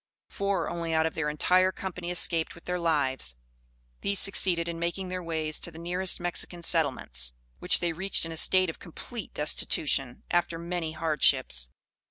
Four only out of their entire company escaped with their lives. These succeeded in making their way to the nearest Mexican settlements, which they reached in a state of complete destitution, after many hardships.